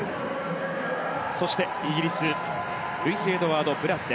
そして、イギリスルイス・エドワード・ブラス。